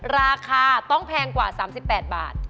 ราคาต้องแพงกว่า๓๘บาท